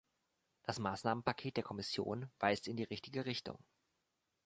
Das Maßnahmenpaket der Kommission weist in die richtige Richtung.